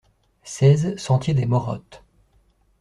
seize sentier des Morottes